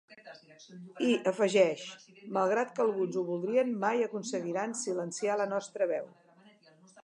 I afegeix: ‘malgrat que alguns ho voldrien mai aconseguiran silenciar la nostra veu’.